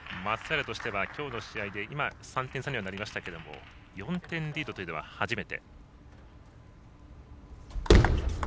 松平としてはきょうの試合で今、３点差にはなりましたが４点リードというのは初めて。